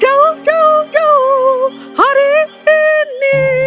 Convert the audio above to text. jauh jauh hari ini